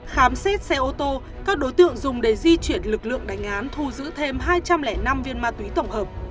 khám xét xe ô tô các đối tượng dùng để di chuyển lực lượng đánh án thu giữ thêm hai trăm linh năm viên ma túy tổng hợp